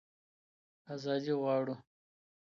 ازادي غواړو.